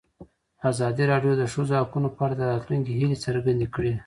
ازادي راډیو د د ښځو حقونه په اړه د راتلونکي هیلې څرګندې کړې.